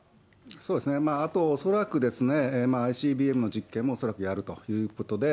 そうですね、あと、恐らくＩＣＢＭの実験も恐らくやるということで、